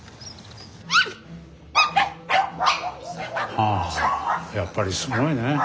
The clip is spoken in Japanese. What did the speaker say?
はぁやっぱりすごいね。